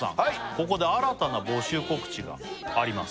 ここで新たな募集告知があります